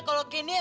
kalau candy emang